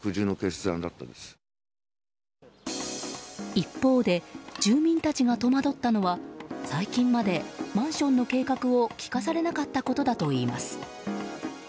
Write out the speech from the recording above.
一方で住民たちが戸惑ったのは最近までマンションの計画を聞かされたなかったことだといいます。